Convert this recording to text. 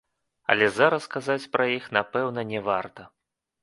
Але зараз казаць пра іх, напэўна, не варта.